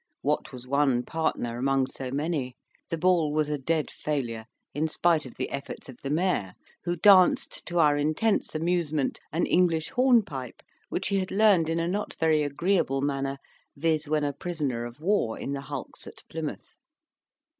What was one partner among so many? The ball was a dead failure, in spite of the efforts of the mayor, who danced, to our intense amusement, an English hornpipe, which he had learnt in not a very agreeable manner, viz. when a prisoner of war in the hulks at Plymouth.